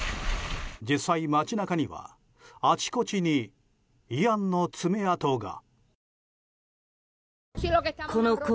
実際、街中にはあちこちにイアンの爪痕が。